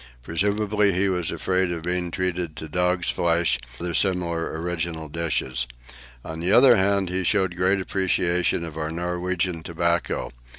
Presumably he was afraid of being treated to dog's flesh or similar original dishes. On the other hand, he showed great appreciation of our Norwegian tobacco.